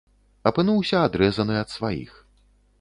Апынуўся адрэзаны ад сваіх.